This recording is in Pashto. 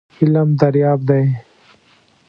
علم دریاب دی .